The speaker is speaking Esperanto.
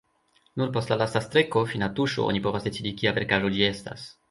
Nur post la lasta streko, fina tuŝo, oni povas decidi kia verkaĵo ĝi estas.